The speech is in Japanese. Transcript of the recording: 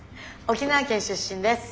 沖縄県出身です。